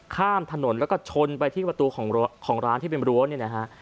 ข้ามถนนแล้วก็ชนไปที่ประตูของร้านที่เป็นรั้วเนี่ยนะฮะ